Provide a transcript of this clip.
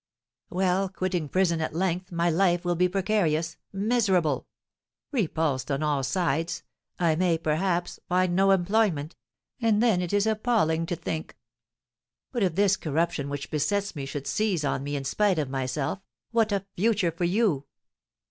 "Well, quitting prison at length, my life will be precarious miserable. Repulsed on all sides, I may, perhaps, find no employment, and then it is appalling to think! But if this corruption which besets me should seize on me in spite of myself, what a future for you!"